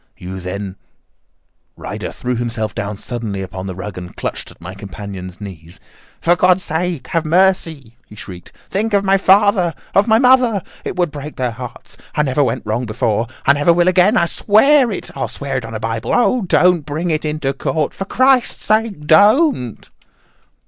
You then—" Ryder threw himself down suddenly upon the rug and clutched at my companion's knees. "For God's sake, have mercy!" he shrieked. "Think of my father! Of my mother! It would break their hearts. I never went wrong before! I never will again. I swear it. I'll swear it on a Bible. Oh, don't bring it into court! For Christ's sake, don't!"